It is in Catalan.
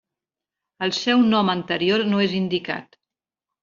El seu nom anterior no és indicat.